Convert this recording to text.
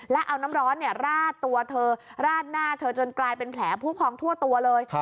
แล้วเอาน้ำร้อนราดตัวเธอราดหน้าเธอจนกลายเป็นแผลผู้พองทั่วตัวเลย